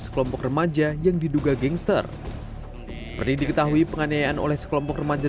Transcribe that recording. sekelompok remaja yang diduga gangster seperti diketahui penganiayaan oleh sekelompok remaja